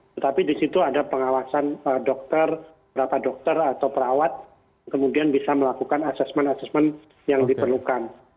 tetapi di situ ada pengawasan dokter berapa dokter atau perawat kemudian bisa melakukan asesmen asesmen yang diperlukan